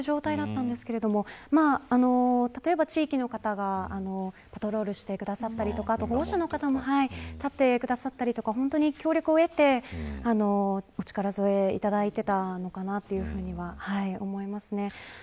私の所の門は開いている状態でしたが、例えば地域の方がパトロールしてくださったり保護者の方も立ってくださったり協力を得てお力添えいただいていたのかなというふうには思います。